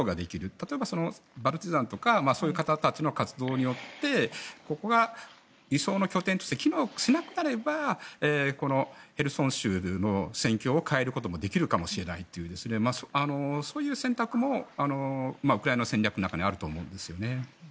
例えばパルチザンとかそういった方たちの活躍によってここが輸送の拠点として機能しなくなればヘルソン州の戦況を変えることもできるかもしれないというそういう選択もウクライナの戦略の中にあると思うんですよね。